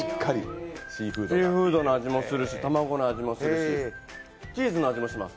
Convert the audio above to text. シーフードの味もするし、卵の味もするし、チーズの味もします。